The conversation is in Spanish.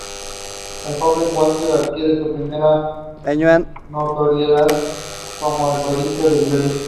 El joven Walter adquiere su primera notoriedad como un prodigio del violín.